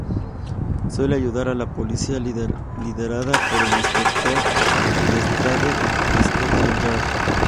Suele ayudar a la policía, liderada por el inspector Lestrade de Scotland Yard.